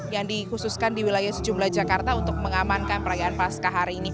yang dikhususkan di wilayah sejumlah jakarta untuk mengamankan perayaan pasca hari ini